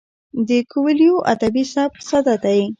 د کویلیو ادبي سبک ساده دی.